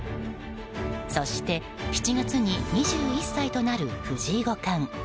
そして７月に２１歳となる藤井五冠。